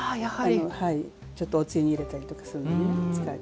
ちょっとおつゆに入れたりとかするのにね使って。